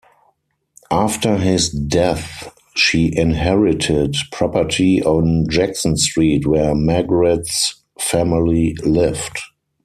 After his death, she inherited property on Jackson Street where Margaret's family lived.